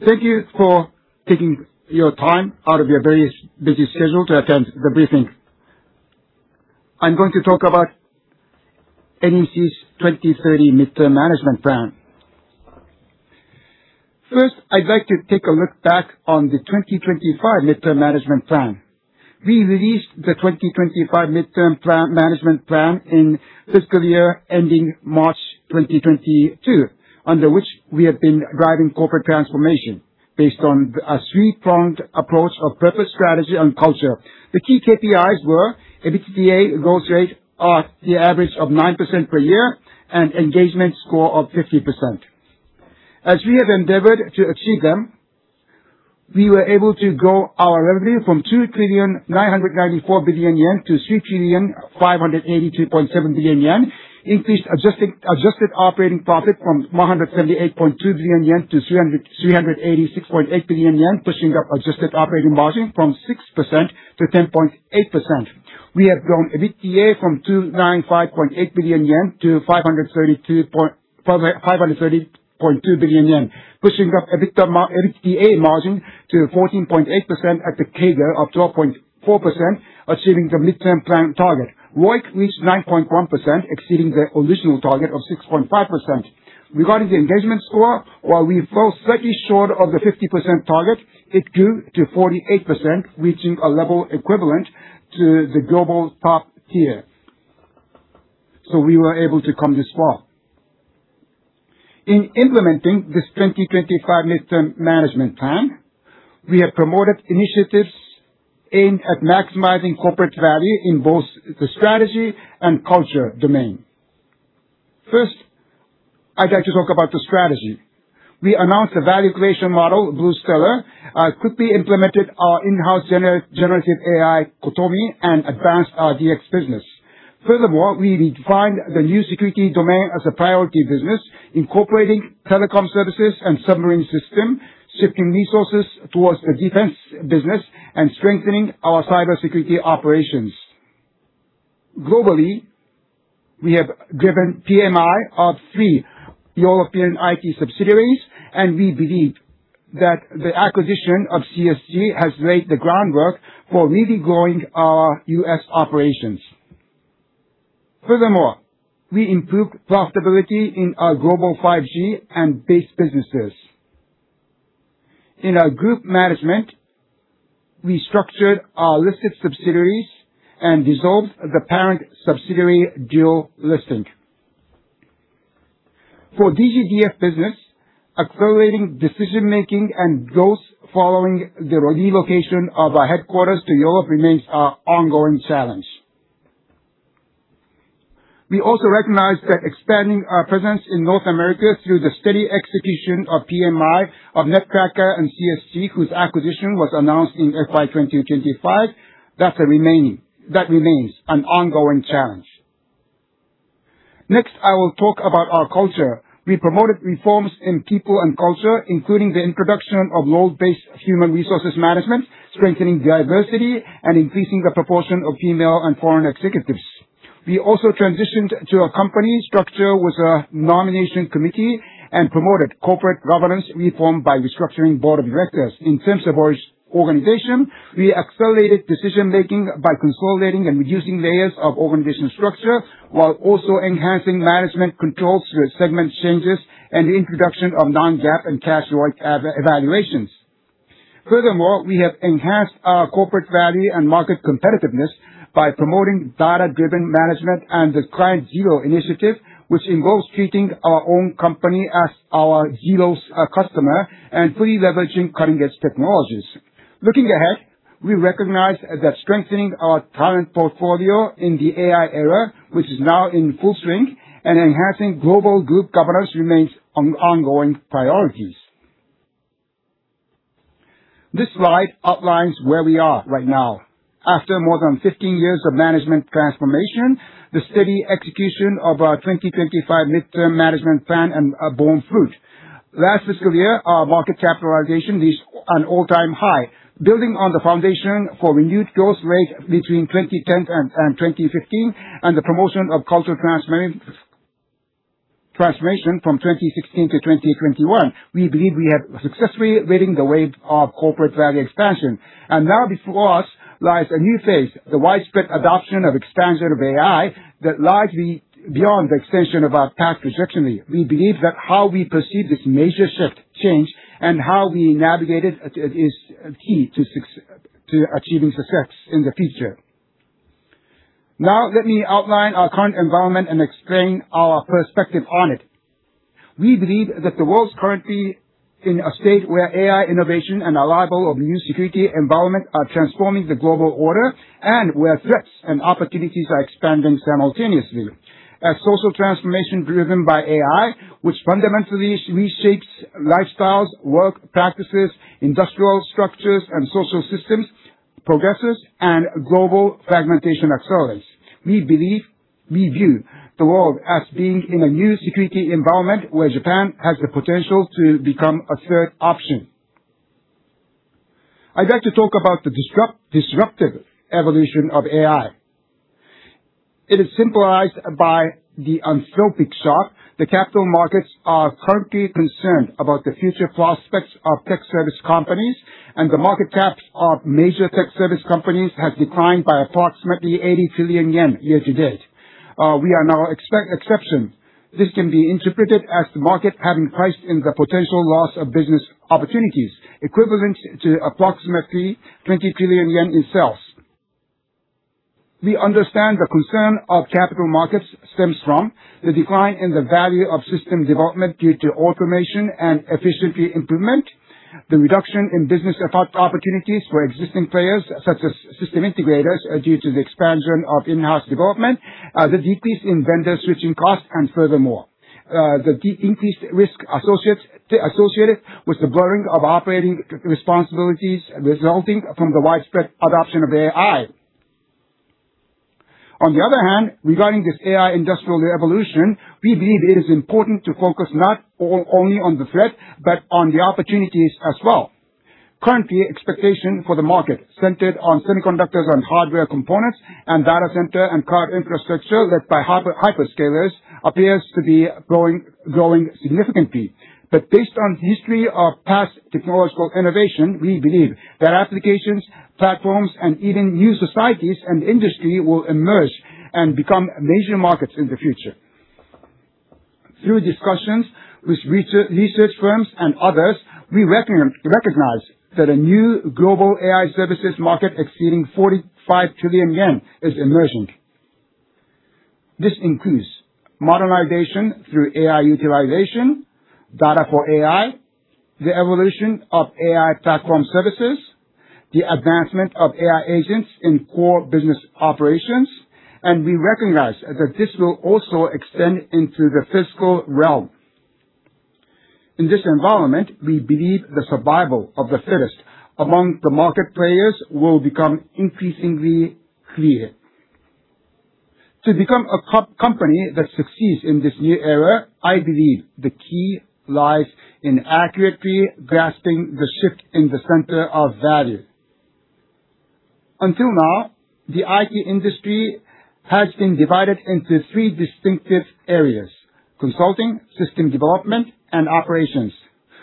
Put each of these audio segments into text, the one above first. Thank you for taking your time out of your very busy schedule to attend the briefing. I'm going to talk about NEC's 2030 Midterm Management Plan. First, I'd like to take a look back on the 2025 Midterm Management Plan. We released the 2025 Midterm Management Plan in fiscal year ending March 2022, under which we have been driving corporate transformation based on a three-pronged approach of purpose, strategy, and culture. The key KPIs were EBITDA growth rate of the average of 9% per year and engagement score of 50%. As we have endeavored to achieve them, we were able to grow our revenue from 2,994 billion yen to 3,582.7 billion yen, increased adjusted operating profit from 178.2 billion yen to 386.8 billion yen, pushing up adjusted operating margin from 6% to 10.8%. We have grown EBITDA from 295.8 billion yen to 530.2 billion yen, pushing up EBITDA margin to 14.8% at a CAGR of 12.4%, achieving the Midterm Plan target. ROIC reached 9.1%, exceeding the original target of 6.5%. Regarding the engagement score, while we fell slightly short of the 50% target, it grew to 48%, reaching a level equivalent to the global top tier. We were able to come this far. In implementing this 2025 Midterm Management Plan, we have promoted initiatives aimed at maximizing corporate value in both the strategy and culture domain. First, I'd like to talk about the strategy. We announced the value creation model, NEC BluStellar, quickly implemented our in-house generative AI, cotomi, and advanced our DX business. Furthermore, we defined the new security domain as a priority business, incorporating Telecom Services and submarine systems, shifting resources towards the defense business, and strengthening our cybersecurity operations. Globally, we have driven PMI of three European IT subsidiaries, and we believe that the acquisition of CSG has laid the groundwork for really growing our U.S. operations. Furthermore, we improved profitability in our global 5G and Base businesses. In our group management, we structured our listed subsidiaries and dissolved the parent subsidiary dual listing. For DGDF business, accelerating decision-making and growth following the relocation of our headquarters to Europe remains our ongoing challenge. We also recognize that expanding our presence in North America through the steady execution of PMI, of Netcracker and CSG, whose acquisition was announced in fiscal year 2025, that remains an ongoing challenge. Next, I will talk about our culture. We promoted reforms in people and culture, including the introduction of role-based human resources management, strengthening diversity, and increasing the proportion of female and foreign executives. We also transitioned to a company structure with a nomination committee and promoted corporate governance reform by restructuring board of directors. In terms of our organization, we accelerated decision-making by consolidating and reducing layers of organizational structure, while also enhancing management control through segment changes and the introduction of non-GAAP and cash ROIC evaluations. Furthermore, we have enhanced our corporate value and market competitiveness by promoting data-driven management and the Client Zero initiative, which involves treating our own company as our zero customer and fully leveraging cutting-edge technologies. Looking ahead, we recognize that strengthening our talent portfolio in the AI era, which is now in full swing, and enhancing global group governance remains on ongoing priorities. This slide outlines where we are right now. After more than 15 years of management transformation, the steady execution of our 2025 Midterm Management Plan have borne fruit. Last fiscal year, our market capitalization reached an all-time high. Building on the foundation for renewed growth rate between 2010 and 2015, and the promotion of cultural transformation from 2016 to 2021, we believe we have successfully ridden the wave of corporate value expansion. Before us lies a new phase, the widespread adoption of expansion of AI that lies beyond the extension of our past trajectory. We believe that how we perceive this major shift change and how we navigate it is key to achieving success in the future. Let me outline our current environment and explain our perspective on it. We believe that the world's currently in a state where AI innovation and arrival of new security environment are transforming the global order and where threats and opportunities are expanding simultaneously. As social transformation driven by AI, which fundamentally reshapes lifestyles, work practices, industrial structures, and social systems progresses and global fragmentation accelerates, we view the world as being in a new security environment where Japan has the potential to become a third option. I'd like to talk about the disruptive evolution of AI. It is symbolized by the anthropic shock. The capital markets are currently concerned about the future prospects of tech service companies, and the market caps of major tech service companies has declined by approximately 80 trillion yen year-to-date. We are no exception. This can be interpreted as the market having priced in the potential loss of business opportunities equivalent to approximately 20 trillion yen in sales. We understand the concern of capital markets stems from the decline in the value of system development due to automation and efficiency improvement, the reduction in business opportunities for existing players such as system integrators due to the expansion of in-house development, the decrease in vendor switching costs, and furthermore, the increased risk associated with the blurring of operating responsibilities resulting from the widespread adoption of AI. On the other hand, regarding this AI industrial revolution, we believe it is important to focus not only on the threat but on the opportunities as well. Currently, expectation for the market centered on semiconductors and hardware components and data center and cloud infrastructure led by hyperscalers appears to be growing significantly. Based on history of past technological innovation, we believe that applications, platforms, and even new societies and industry will emerge and become major markets in the future. Through discussions with research firms and others, we recognize that a new global AI services market exceeding 45 trillion yen is emerging. This includes modernization through AI utilization, data for AI, the evolution of AI platform services, the advancement of AI agents in core business operations, and we recognize that this will also extend into the physical realm. In this environment, we believe the survival of the fittest among the market players will become increasingly clear. To become a company that succeeds in this new era, I believe the key lies in accurately grasping the shift in the center of value. Until now, the IT industry has been divided into three distinctive areas: consulting, system development, and operations,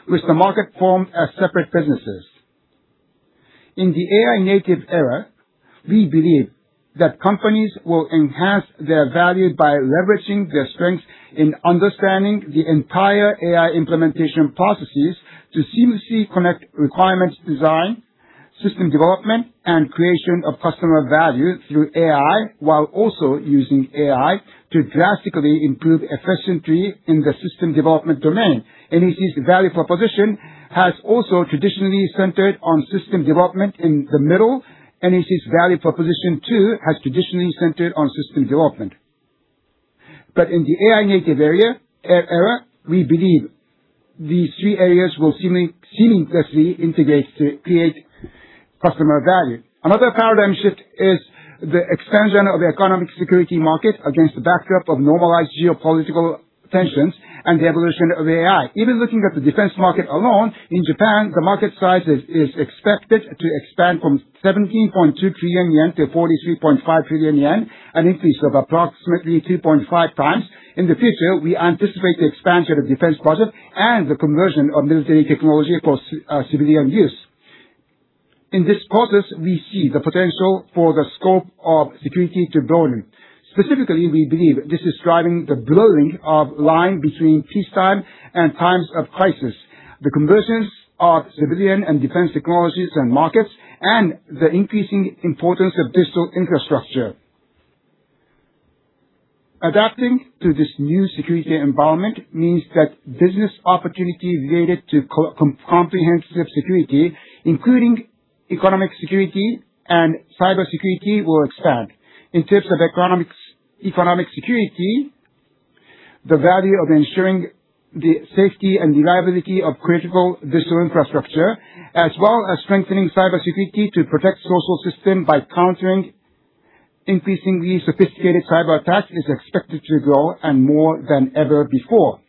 which the market formed as separate businesses. In the AI native era, we believe that companies will enhance their value by leveraging their strength in understanding the entire AI implementation processes to seamlessly connect requirements design, system development, and creation of customer value through AI, while also using AI to drastically improve efficiency in the system development domain. NEC's value proposition has also traditionally centered on system development in the middle. NEC's value proposition, too, has traditionally centered on system development. In the AI native era, we believe these three areas will seamlessly integrate to create customer value. Another paradigm shift is the expansion of the economic security market against the backdrop of normalized geopolitical tensions and the evolution of AI. Even looking at the defense market alone, in Japan, the market size is expected to expand from 17.2 trillion yen to 43.5 trillion yen, an increase of approximately 2.5 times. In the future, we anticipate the expansion of defense budget and the conversion of military technology for civilian use. In this process, we see the potential for the scope of security to broaden. Specifically, we believe this is driving the blurring of line between peacetime and times of crisis, the convergence of civilian and defense technologies and markets, and the increasing importance of digital infrastructure. Adapting to this new security environment means that business opportunities related to comprehensive security, including economic security and cybersecurity, will expand. In terms of economic security, the value of ensuring the safety and reliability of critical digital infrastructure, as well as strengthening cybersecurity to protect social system by countering increasingly sophisticated cyber attacks, is expected to grow and more than ever before.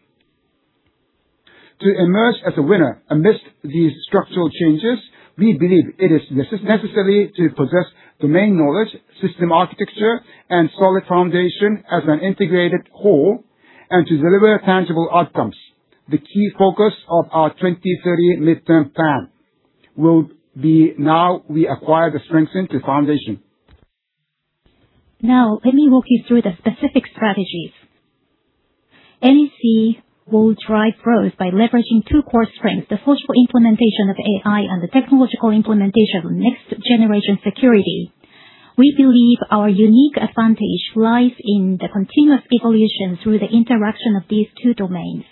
To emerge as a winner amidst these structural changes, we believe it is necessary to possess domain knowledge, system architecture, and solid foundation as an integrated whole, and to deliver tangible outcomes. The key focus of our 2030 midterm plan will be how we acquire the strength and the foundation. Let me walk you through the specific strategies. NEC will drive growth by leveraging two core strengths, the social implementation of AI and the technological implementation of next-generation security. We believe our unique advantage lies in the continuous evolution through the interaction of these two domains.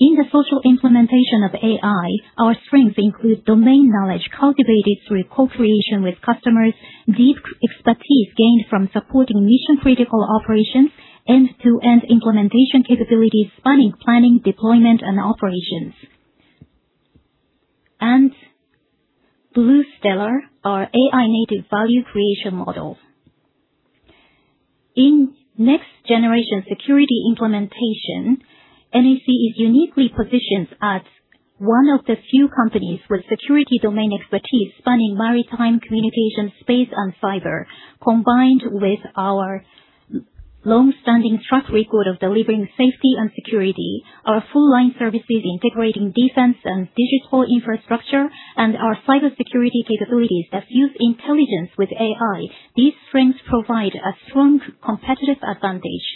In the social implementation of AI, our strengths include domain knowledge cultivated through co-creation with customers, deep expertise gained from supporting mission-critical operations, end-to-end implementation capabilities spanning planning, deployment, and operations. BluStellar, our AI native value creation model. In next-generation security implementation, NEC is uniquely positioned as one of the few companies with security domain expertise spanning maritime communication, space, and fiber. Combined with our long-standing track record of delivering safety and security, our full-line services integrating defense and digital infrastructure, and our cybersecurity capabilities that fuse intelligence with AI, these strengths provide a strong competitive advantage.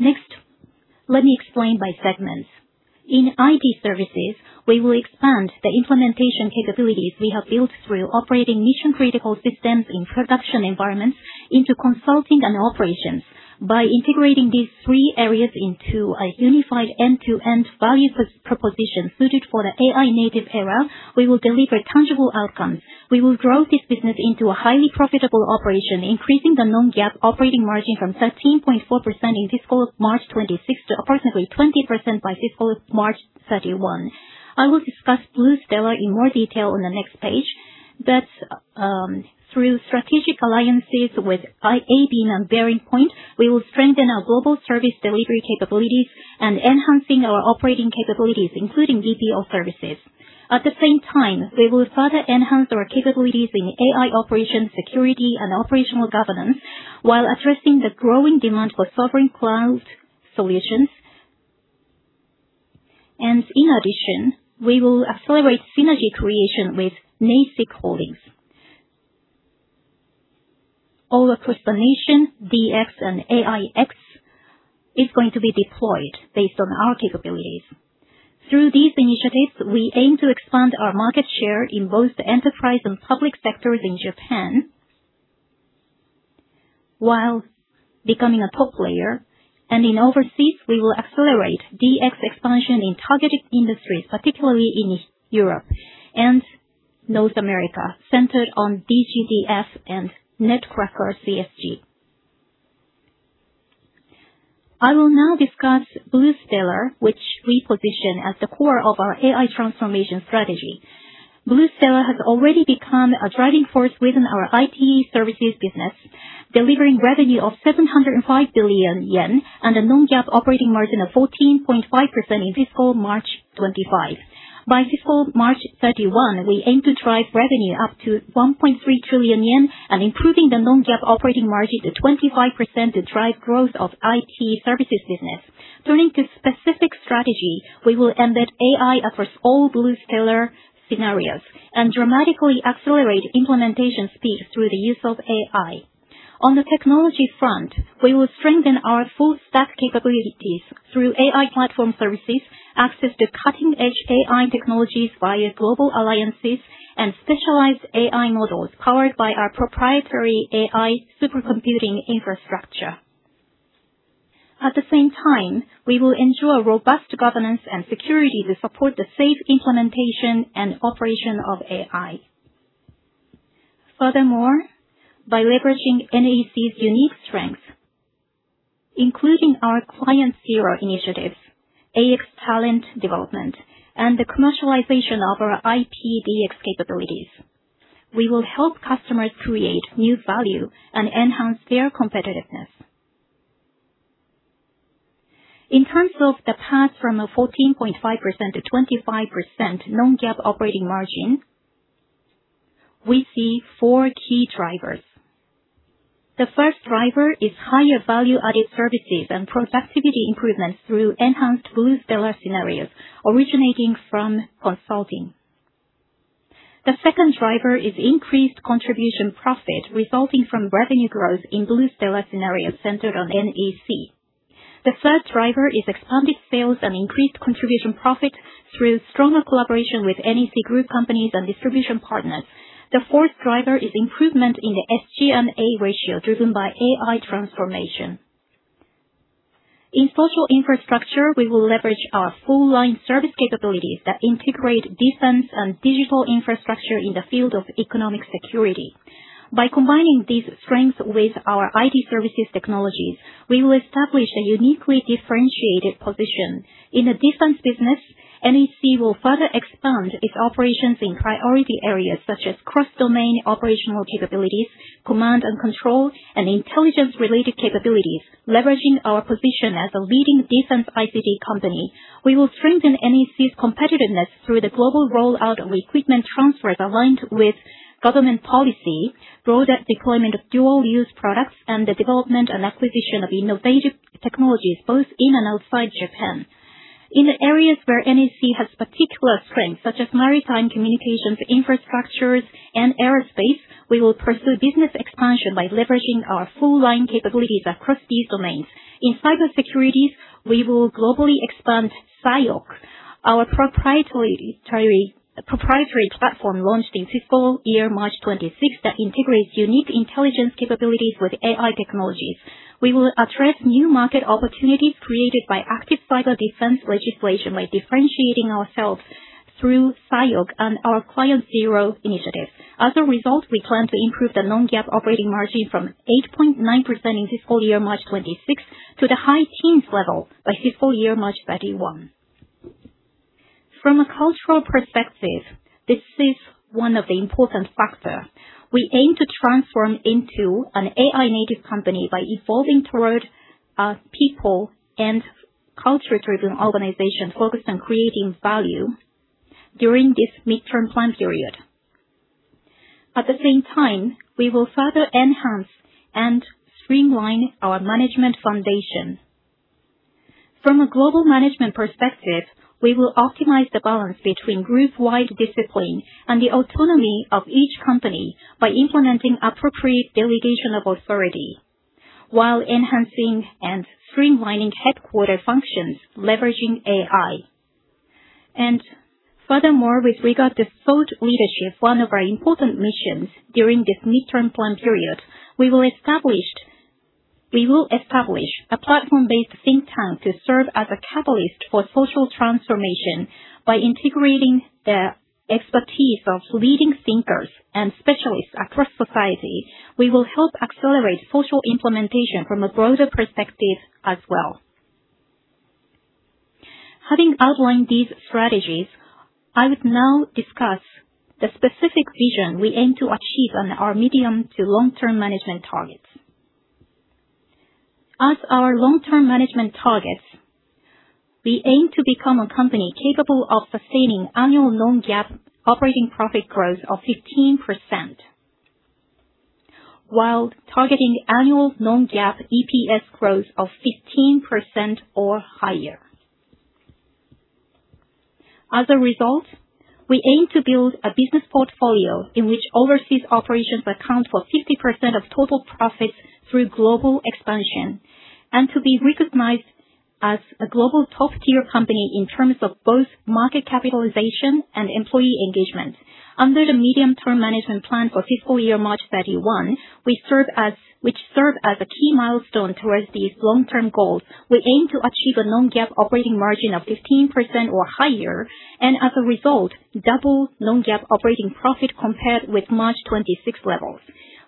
Next, let me explain by segments. In IT Services, we will expand the implementation capabilities we have built through operating mission-critical systems in production environments into consulting and operations. By integrating these three areas into a unified end-to-end value proposition suited for the AI native era, we will deliver tangible outcomes. We will grow this business into a highly profitable operation, increasing the non-GAAP operating margin from 13.4% in fiscal March 2026 to approximately 20% by fiscal March 2031. I will discuss Blue Stellar in more detail on the next page, but through strategic alliances with Avanade and BearingPoint, we will strengthen our global service delivery capabilities and enhancing our operating capabilities, including BPO services. At the same time, we will further enhance our capabilities in AI operations, security and operational governance, while addressing the growing demand for sovereign cloud solutions. In addition, we will accelerate synergy creation with NEC Group. Our transformation, DX and AIX, is going to be deployed based on our capabilities. Through these initiatives, we aim to expand our market share in both the enterprise and public sectors in Japan, while becoming a top player. In overseas, we will accelerate DX expansion in targeted industries, particularly in Europe and North America, centered on DGDF and Netcracker CSG. I will now discuss Blue Stellar, which we position as the core of our AI transformation strategy. Blue Stellar has already become a driving force within our IT Services business, delivering revenue of 705 billion yen and a non-GAAP operating margin of 14.5% in fiscal March 2025. By fiscal March 2031, we aim to drive revenue up to 1.3 trillion yen and improving the non-GAAP operating margin to 25% to drive growth of IT Services business. Turning to specific strategy, we will embed AI across all Blue Stellar scenarios and dramatically accelerate implementation speed through the use of AI. On the technology front, we will strengthen our full stack capabilities through AI platform services, access to cutting edge AI technologies via global alliances, and specialized AI models powered by our proprietary AI supercomputing infrastructure. At the same time, we will ensure robust governance and security to support the safe implementation and operation of AI. Furthermore, by leveraging NEC's unique strengths, including our Client Zero initiatives, AX talent development, and the commercialization of our IP DX capabilities, we will help customers create new value and enhance their competitiveness. In terms of the path from a 14.5%-25% non-GAAP operating margin, we see four key drivers. The first driver is higher value added services and productivity improvements through enhanced Blue Stellar scenarios originating from consulting. The second driver is increased contribution profit resulting from revenue growth in Blue Stellar scenarios centered on NEC. The third driver is expanded sales and increased contribution profit through stronger collaboration with NEC Group companies and distribution partners. The fourth driver is improvement in the SG&A ratio driven by AI transformation. In Social Infrastructure, we will leverage our full line service capabilities that integrate defense and digital infrastructure in the field of economic security. By combining these strengths with our IT Services technologies, we will establish a uniquely differentiated position. In the defense business, NEC will further expand its operations in priority areas such as cross-domain operational capabilities, command and control, and intelligence related capabilities, leveraging our position as a leading defense ICT company. We will strengthen NEC's competitiveness through the global rollout of equipment transfers aligned with government policy, broader deployment of dual-use products, and the development and acquisition of innovative technologies both in and outside Japan. In the areas where NEC has particular strength, such as maritime communications infrastructures and aerospace, we will pursue business expansion by leveraging our full line capabilities across these domains. In cybersecurity, we will globally expand CyIOC, our proprietary platform launched in fiscal year March 2026 that integrates unique intelligence capabilities with AI technologies. We will address new market opportunities created by Active Cyber Defense Law by differentiating ourselves through CyIOC and our Client Zero initiatives. As a result, we plan to improve the non-GAAP operating margin from 8.9% in fiscal year March 2026 to the high teens level by fiscal year March 2031. From a cultural perspective, this is one of the important factor. We aim to transform into an AI native company by evolving toward people and culture-driven organization focused on creating value during this mid-term plan period. At the same time, we will further enhance and streamline our management foundation. From a global management perspective, we will optimize the balance between group-wide discipline and the autonomy of each company by implementing appropriate delegation of authority, while enhancing and streamlining headquarter functions, leveraging AI. Furthermore, with regard to thought leadership, one of our important missions during this mid-term plan period, we will establish a platform-based think tank to serve as a catalyst for social transformation by integrating the expertise of leading thinkers and specialists across society. We will help accelerate social implementation from a broader perspective as well. Having outlined these strategies, I would now discuss the specific vision we aim to achieve on our medium-to-long-term management targets. As our long-term management targets, we aim to become a company capable of sustaining annual non-GAAP operating profit growth of 15%, while targeting annual non-GAAP EPS growth of 15% or higher. As a result, we aim to build a business portfolio in which overseas operations account for 50% of total profits through global expansion, and to be recognized as a global top-tier company in terms of both market capitalization and employee engagement. Under the medium-term management plan for fiscal year March 2031, which serve as a key milestone towards these long-term goals, we aim to achieve a non-GAAP operating margin of 15% or higher, and as a result, double non-GAAP operating profit compared with March 2026 levels.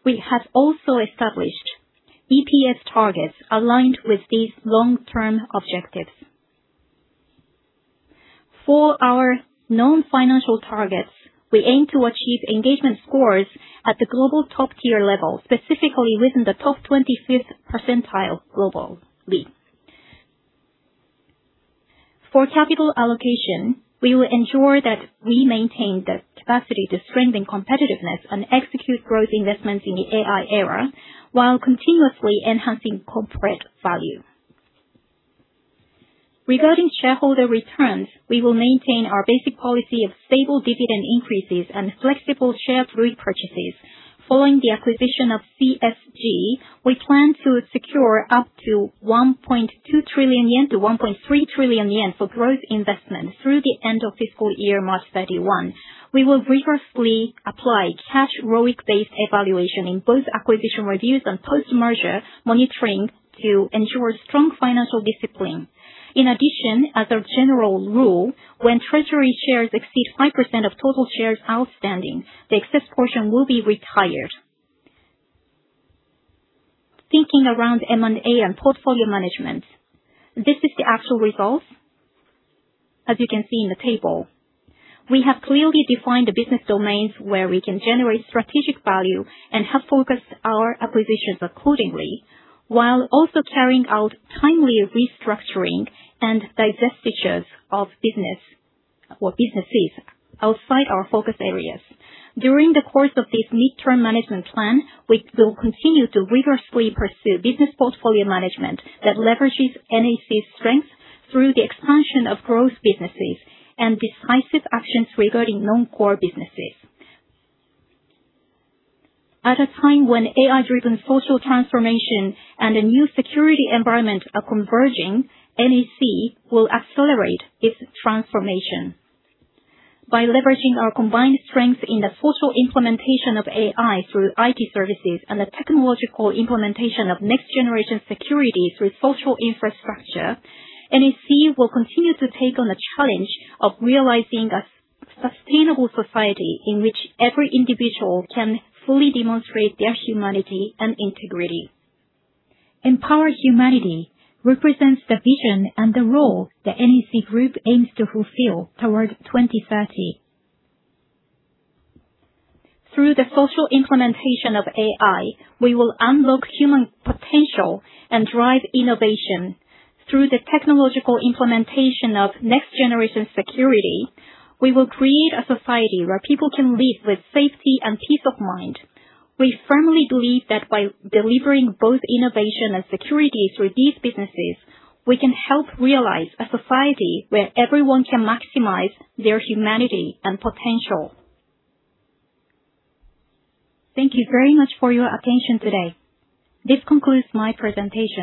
We have also established EPS targets aligned with these long-term objectives. For our non-financial targets, we aim to achieve engagement scores at the global top-tier level, specifically within the top 25th percentile globally. For capital allocation, we will ensure that we maintain the capacity to strengthen competitiveness and execute growth investments in the AI era while continuously enhancing corporate value. Regarding shareholder returns, we will maintain our basic policy of stable dividend increases and flexible share repurchases. Following the acquisition of CSG, we plan to secure up to 1.2 trillion-1.3 trillion yen for growth investment through the end of fiscal year March 2031. We will rigorously apply cash ROIC-based evaluation in both acquisition reviews and post-merger monitoring to ensure strong financial discipline. In addition, as a general rule, when Treasury shares exceed 5% of total shares outstanding, the excess portion will be retired. Thinking around M&A and portfolio management, this is the actual results. As you can see in the table, we have clearly defined the business domains where we can generate strategic value and have focused our acquisitions accordingly, while also carrying out timely restructuring and divestitures of business or businesses outside our focus areas. During the course of this mid-term management plan, we will continue to rigorously pursue business portfolio management that leverages NEC's strength through the expansion of growth businesses and decisive actions regarding non-core businesses. At a time when AI-driven social transformation and a new security environment are converging, NEC will accelerate its transformation. By leveraging our combined strength in the social implementation of AI through IT Services and the technological implementation of next-generation security through Social Infrastructure, NEC will continue to take on the challenge of realizing a sustainable society in which every individual can fully demonstrate their humanity and integrity. Empower Humanity represents the vision and the role that NEC Group aims to fulfill towards 2030. Through the social implementation of AI, we will unlock human potential and drive innovation. Through the technological implementation of next-generation security, we will create a society where people can live with safety and peace of mind. We firmly believe that by delivering both innovation and security through these businesses, we can help realize a society where everyone can maximize their humanity and potential. Thank you very much for your attention today. This concludes my presentation.